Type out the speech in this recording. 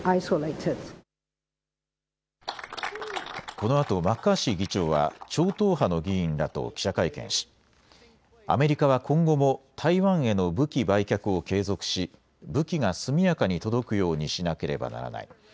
このあとマッカーシー議長は超党派の議員らと記者会見しアメリカは今後も台湾への武器売却を継続し武器が速やかに届くようにしなければならない。